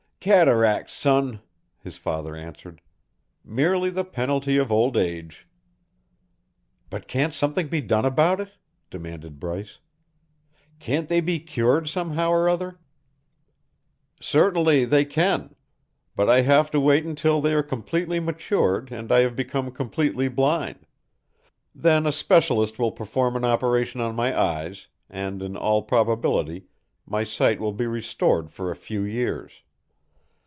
"Cataracts, son," his father answered. "Merely the penalty of old age." "But can't something be done about it?" demanded Bryce. "Can't they be cured somehow or other?" "Certainly they can. But I shall have to wait until they are completely matured and I have become completely blind; then a specialist will perform an operation on my eyes, and in all probability my sight will be restored for a few years.